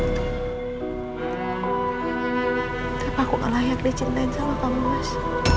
kenapa aku gak layak dicintain sama kamu mas